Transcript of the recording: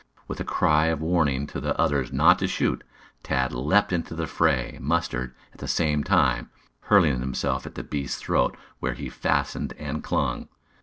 With a cry of warning to the others not to shoot, Tad leaped into the fray, Mustard, at the same time, hurling himself at the beast's throat, where he fastened and clung.